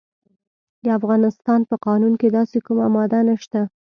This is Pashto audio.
د افغانستان په قانون کې داسې کومه ماده نشته.